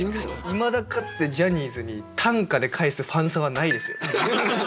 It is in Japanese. いまだかつてジャニーズに短歌で返すファンサはないですよ。